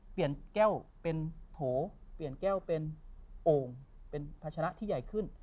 เปลี่ยนแก้วเป็นโถเปลี่ยนแก้วเป็นโอ่งเป็นภาชนะที่ใหญ่ขึ้น